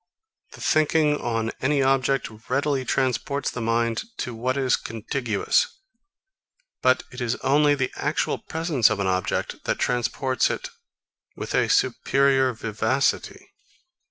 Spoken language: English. The thinking on any object readily transports the mind to what is contiguous; but it is only the actual presence of an object, that transports it with a superior vivacity.